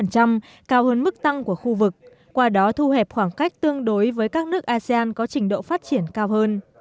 cao hơn mức tăng của khu vực qua đó thu hẹp khoảng cách tương đối với các nước asean có trình độ phát triển cao hơn